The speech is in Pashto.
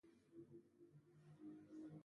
_تر لسو.